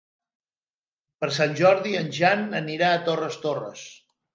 Per Sant Jordi en Jan anirà a Torres Torres.